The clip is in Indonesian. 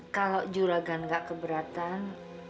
kalau juragan gak keberatan